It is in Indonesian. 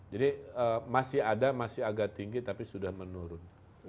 jadi masih ada masih agak tinggi tapi sudah menurun